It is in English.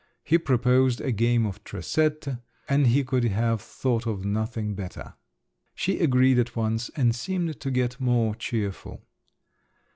He proposed a game of tresette, and he could have thought of nothing better. She agreed at once and seemed to get more cheerful.